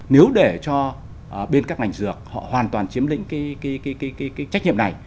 nếu để cho bên các ngành dược họ hoàn toàn chiếm lĩnh cái trách nhiệm này